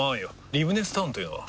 リブネスタウンというのは？